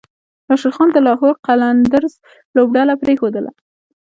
راشد خان د لاهور قلندرز لوبډله پریښودله